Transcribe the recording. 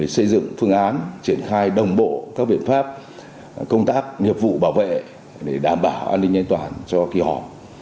xây dựng phương án triển khai đồng bộ các biện pháp công tác nghiệp vụ bảo vệ để đảm bảo an ninh an toàn cho kỳ họp